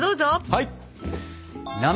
はい！